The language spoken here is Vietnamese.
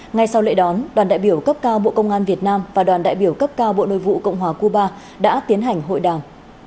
ngay sau lễ đón đoàn đại biểu cấp cao bộ công an việt nam và đoàn đại biểu cấp cao bộ nội vụ cộng hòa cuba đã tiến hành hội đàm